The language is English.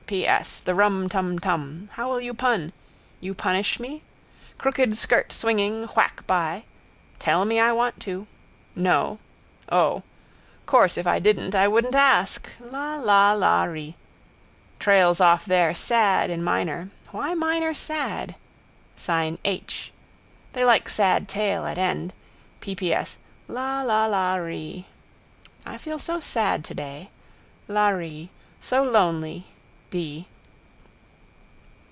P. S. The rum tum tum. How will you pun? You punish me? Crooked skirt swinging, whack by. Tell me I want to. Know. O. Course if I didn't I wouldn't ask. La la la ree. Trails off there sad in minor. Why minor sad? Sign H. They like sad tail at end. P. P. S. La la la ree. I feel so sad today. La ree. So lonely.